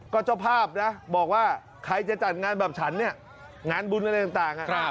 ก็เจ้าภาพนะบอกว่าใครจะจัดงานแบบฉันเนี่ยงานบุญอะไรต่าง